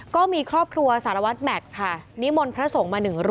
เห็นเขาขับรถออกไปก็ไปเลยกลับก็กลับเลย